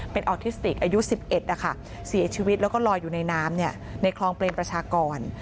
เป็นออทิสติกอายุ๑๑นะคะเสียชีวิตแล้วก็ลอยอยู่ในน้ำในคลองเปรมประชากร